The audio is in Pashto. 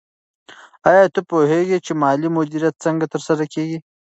آیا ته پوهېږې چې مالي مدیریت څنګه ترسره کېږي؟